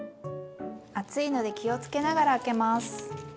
熱いので気をつけながら開けます。